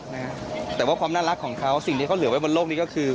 นะฮะแต่ว่าความน่ารักของเขาสิ่งที่เขาเหลือไว้บนโลกนี้ก็คือ